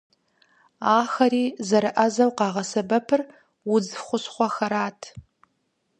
Абыхэми зэрыӏэзэу къагъэсэбэпыр удз хущхъуэхэрат.